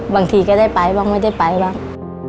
บางทีก็ได้ไปบ้างไม่ได้ไปบ้าง